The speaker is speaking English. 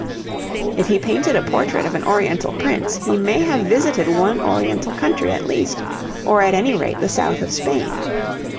If he painted a portrait of an oriental prince, he may have visited one oriental country at least, or at any rate the south of Spain.